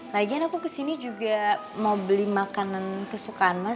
lagian aku kesini juga mau beli makanan kesukaan mas